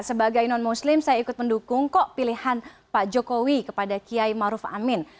sebagai non muslim saya ikut mendukung kok pilihan pak jokowi kepada kiai maruf amin